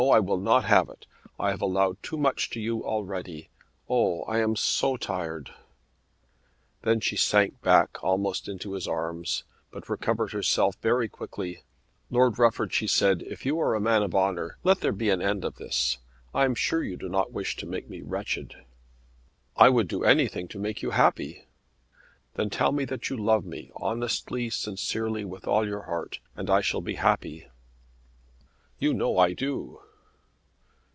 I will not have it. I have allowed too much to you already. Oh, I am so tired." Then she sank back almost into his arms, but recovered herself very quickly. "Lord Rufford," she said, "if you are a man of honour let there be an end of this. I am sure you do not wish to make me wretched." "I would do anything to make you happy." "Then tell me that you love me honestly, sincerely, with all your heart, and I shall be happy." "You know I do."